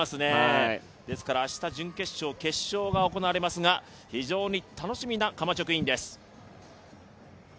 ですから明日、準決勝、決勝が行われますが非常に楽しみなカマチョ・クインです。